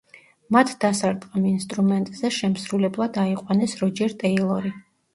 მათ დასარტყამ ინსტრუმენტზე შემსრულებლად აიყვანეს როჯერ ტეილორი.